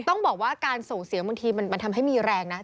ต้องบอกว่าการส่งเสียงบางทีมันทำให้มีแรงนะ